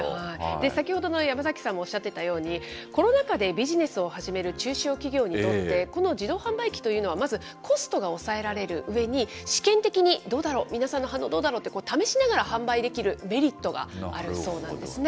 先ほどの山崎さんもおっしゃってたように、コロナ禍でビジネスを始める中小企業にとって、この自動販売機というのは、まずコストが抑えられるうえに、試験的に、どうだろう、皆さんの反応どうだろうと試しながら販売できるメリットがあるそうなんですね。